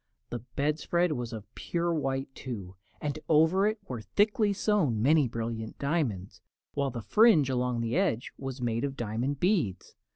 The bedspread was of pure white, too, and over it were thickly sewn many brilliant diamonds, while the fringe along the edges was made of diamond beads.